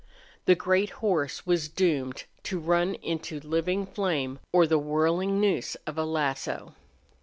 The great horse was doomed to run into living flame or the whirling noose of a lasso.